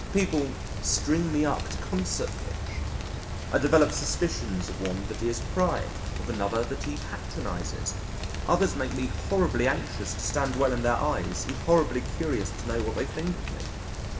People string me up to concert pitch. I develop suspicions of one that he is prying, of another that he patronises. Others make me horribly anxious to stand well in their eyes and horribly curious to know what they think of me.